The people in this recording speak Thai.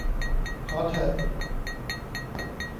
ขอเถอะ